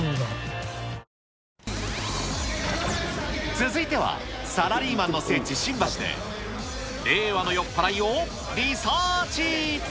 続いては、サラリーマンの聖地、新橋で、令和の酔っ払いをリサーチ。